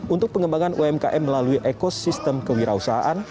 untuk pengembangan umkm melalui ekosistem kewirausahaan